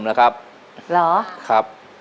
ตัวเลือกที่สี่ชัชวอนโมกศรีครับ